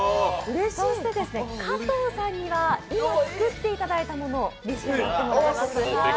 そして、加藤さんには、今作っていただいたものを召し上がっていただきます。